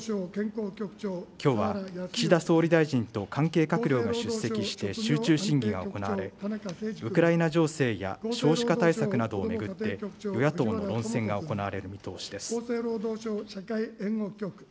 きょうは岸田総理大臣と関係閣僚が出席して集中審議が行われ、ウクライナ情勢や少子化対策などを巡って、与野党の論戦が行われる見通しです。